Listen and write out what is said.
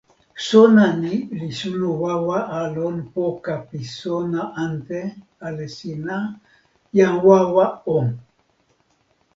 sona ni li suno wawa a lon poka pi sona ante ale sina, jan wawa o!